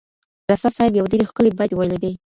رسا صاحب یو ډېر ښکلی بیت ویلی دی.